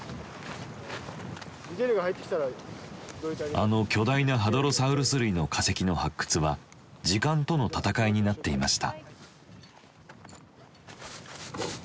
あの巨大なハドロサウルス類の化石の発掘は時間との闘いになっていました。